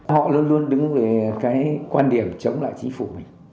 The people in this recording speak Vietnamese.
họ luôn luôn đứng với cái quan điểm chống lại chính phủ